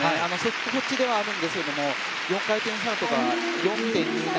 速報値ではあるんですけども４回転サルコウが４．２７。